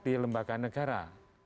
di lembaga negara